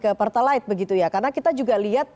ke pertalite karena kita juga lihat